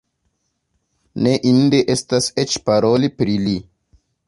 Ne inde estas eĉ paroli pri li!